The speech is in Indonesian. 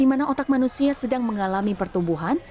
di mana otak manusia sedang mengalami pertumbuhan